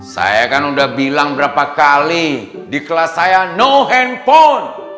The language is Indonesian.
saya kan udah bilang berapa kali di kelas saya no handphone